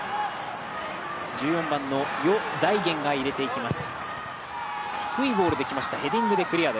１４番のヨ・ザイゲンが入れていきます。